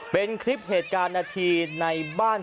เป็นคลิปเหตุการณ์นาทีในบ้าน